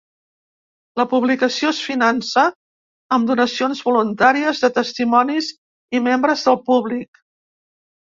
La publicació es finança amb donacions voluntàries de testimonis i membres del públic.